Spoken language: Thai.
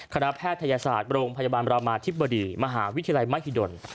แพทยศาสตร์โรงพยาบาลบรามาธิบดีมหาวิทยาลัยมหิดล